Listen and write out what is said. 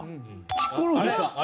ヒコロヒーさん。